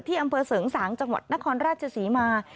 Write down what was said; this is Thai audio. อำเภอเสริงสางจังหวัดนครราชศรีมา